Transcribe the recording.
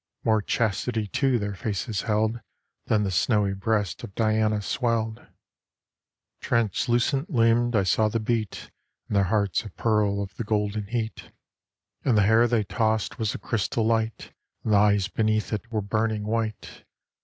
More chastity too their faces held Than the snowy breasts of Diana swelled. Translucent limbed, I saw the beat In their hearts of pearl of the golden heat. And the hair they tossed was a crystal light, And the eyes beneath it were burning white.